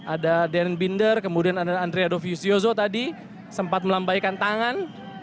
ada dan binder kemudian ada andreadovisiozo tadi sempat melambaikan tangan